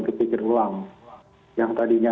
berpikir ulang yang tadinya